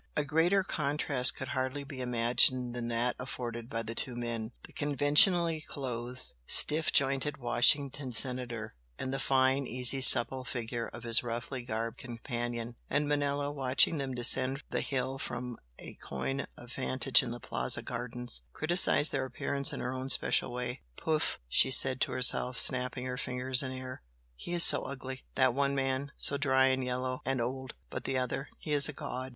A greater contrast could hardly be imagined than that afforded by the two men, the conventionally clothed, stiff jointed Washington senator, and the fine, easy supple figure of his roughly garbed companion; and Manella, watching them descend the hill from a coign of vantage in the Plaza gardens, criticised their appearance in her own special way. "Poof!" she said to herself, snapping her fingers in air "He is so ugly! that one man so dry and yellow and old! But the other he is a god!"